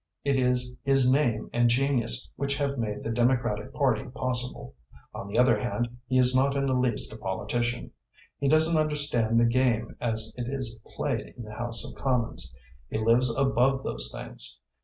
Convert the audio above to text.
It is his name and genius which have made the Democratic Party possible. On the other hand, he is not in the least a politician. He doesn't understand the game as it is played in the House of Commons. He lives above those things.